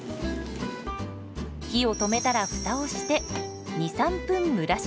火を止めたらフタをして２３分蒸らします。